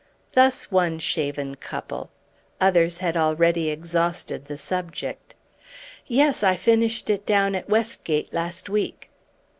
Thus one shaven couple. Others had already exhausted the subject. "Yes, I finished it down at Westgate last week."